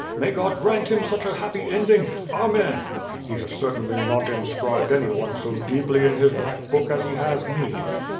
May God grant him such a happy ending, Amen! He has cer tainly not inscribed anyone so deeply in his black book as he has me.